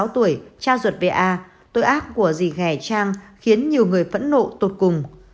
ba mươi sáu tuổi cha ruột v a tội ác của dì nghè trang khiến nhiều người phẫn nộ tột cùng